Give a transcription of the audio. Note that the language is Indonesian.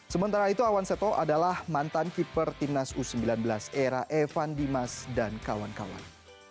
sementara itu awan seto adalah mantan keeper timnas u sembilan belas era evan dimas dan kawan kawan